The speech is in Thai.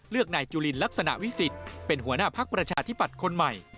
นายจุลินลักษณะวิสิทธิ์เป็นหัวหน้าพักประชาธิปัตย์คนใหม่